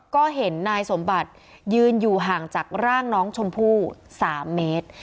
ก็เห็นนายสมบัติยืนอยู่ห่างจากร่างน้องชมพู่๓เมตร